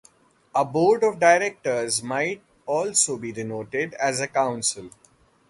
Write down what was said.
A board of directors might also be denoted as a council.